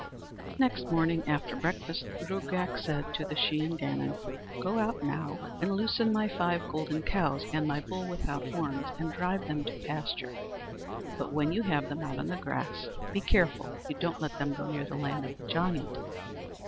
Next morning after breakfast the Gruagach said to the Shee an Gannon: "Go out now and loosen my five golden cows and my bull without horns, and drive them to pasture; but when you have them out on the grass, be careful you don't let them go near the land of the giant."